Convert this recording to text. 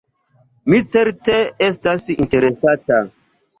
Mi certe estas interesata.